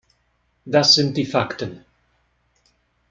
Das sind die Fakten.